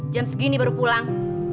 jam segini baru pulang